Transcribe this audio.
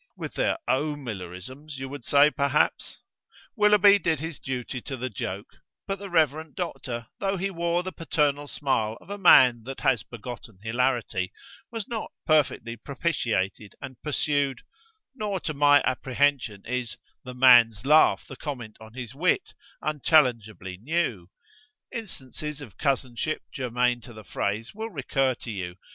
"With their O'Millerisms you would say, perhaps?" Willoughby did his duty to the joke, but the Rev. Doctor, though he wore the paternal smile of a man that has begotten hilarity, was not perfectly propitiated, and pursued: "Nor to my apprehension is 'the man's laugh the comment on his wit' unchallengeably new: instances of cousinship germane to the phrase will recur to you.